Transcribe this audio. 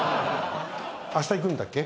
あした行くんだっけ